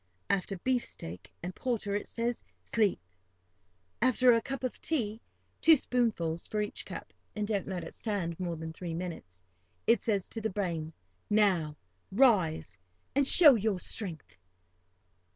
After beefsteak and porter, it says, "Sleep!" After a cup of tea (two spoonsful for each cup, and don't let it stand more than three minutes), it says to the brain, "Now, rise, and show your strength.